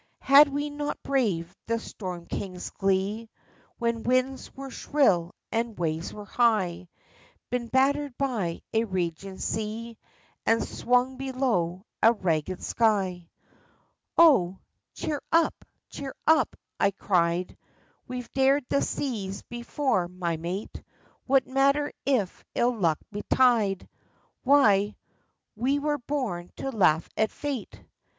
Had we not braved the Storm king's glee When winds were shrill and waves were high, Been battered by a raging sea And swung below a ragged sk}^ ? THE FISHERMAN'S STORY. 19 " Oho ! Cheer up ! Cheer up !'' I cried, *^ We've dared the seas before, my mate. What matter if ill luck betide ?— Why, we were born to laugh at fate